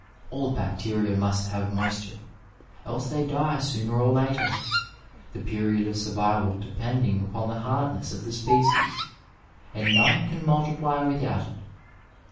All bac teria must have moisture, else they die sooner or later, the period of survival depending upon the hardness of the species, and none can multiply without it.